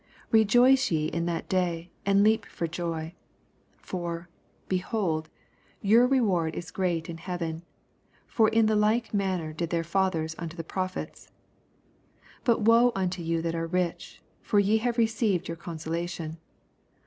23 Bejoice ye in that day, and leap for joj : for, behold, your reward it great in heaven : for in the like man* ner did their fathers unto the propheta. 24 But woe unto you that are rich I for ye have received your consolation.